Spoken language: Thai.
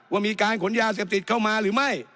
ว่ามีการขนยาเสพติดเข้ามาหรือไม่